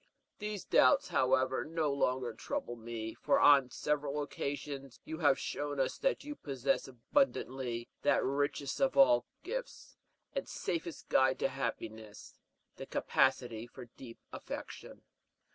These doubts, however, no longer trouble me; for on several occasions you have shown us that you possess abundantly that richest of all gifts and safest guide to happiness the capacity for deep affection.